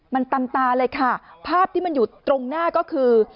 มันตำตาเลยค่ะภาพที่มันอยู่ตรงหน้าก็คือ